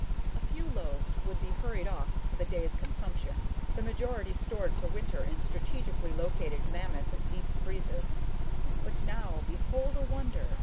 A few loaves would be hurried off for the day's consumption, the majority stored for winter in strategically located mammoth deep freezes. But now, behold a wonder!